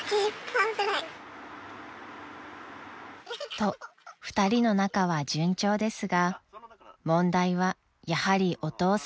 ［と２人の仲は順調ですが問題はやはりお父さんでした］